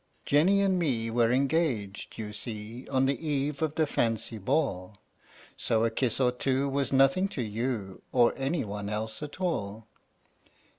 Jenny and Me were engaged, you see, On the eve of the Fancy Ball; So a kiss or two was nothing to you Or any one else at all.